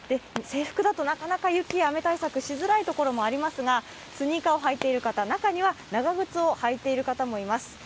制服だと、なかなか雪や雨対策、しづらいところもありますがスニーカーを履いている方、中には長靴を履いている方もいます。